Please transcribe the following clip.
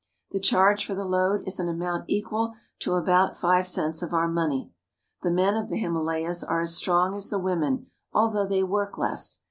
The charge for the load is an amount equal to about five cents of our money. The men of the Himalayas are as strong as the women ; although they work less.